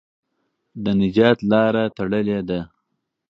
د نجات لاره تړلې ده.